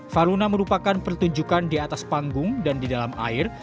faruna merupakan pertunjukan di atas panggung dan di dalam air